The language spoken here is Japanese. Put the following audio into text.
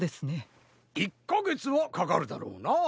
１かげつはかかるだろうなあ。